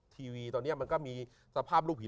ทีวีตอนนี้มันก็มีสภาพรูปผี